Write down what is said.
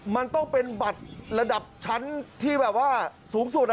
มันต้องเป็นบัตรระดับชั้นที่แบบว่าสูงสุด